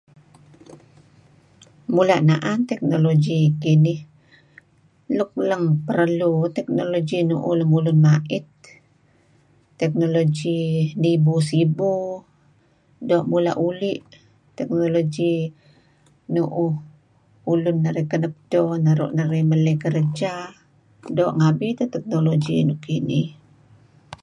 Mula' na'an teknologi kinih. Nuk leng perlu tekonogi nu'uh łun ma'it, teknologi nibu sebu doo' mula' uli', teknologi nu'uh ulun narih kenep edto naru' narih meley kereja. Doo' ngabi teh teknologi nuk kinih.